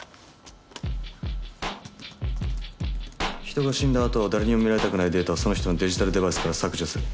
人が死んだあと誰にも見られたくないデータをその人のデジタルデバイスから削除する。